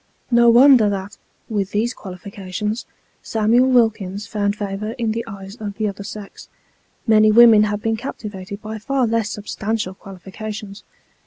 No wonder that, with these quali fications, Samuel Wilkins found favour in the eyes of the other sex : many women have been captivated by far less substantial qualifica tions.